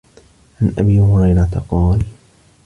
عَنْ أَبِي هُرَيْرَةَ قَالَ